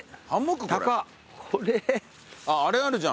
あれあるじゃん。